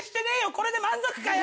これで満足かよ！！